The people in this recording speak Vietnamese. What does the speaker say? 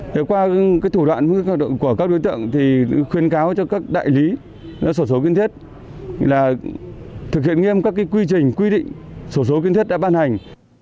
để qua thủ đoạn của các đối tượng thì khuyên cáo cho các đại lý sổ số kiên thiết là thực hiện nghiêm các quy trình quy định sổ số kiên thiết đã ban hành